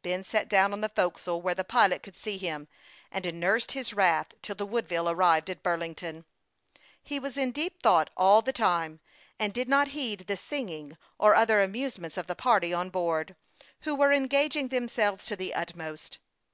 Ben sat down on the forecastle where the pilot could see him, and nursed his wrath till the Wood ville arrived at Burlington. He was in deep thought all the time, and did not heed the singing or other amusements of the party on board, who were enjoy ing themselves to the utmost.